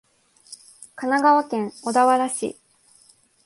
神奈川県小田原市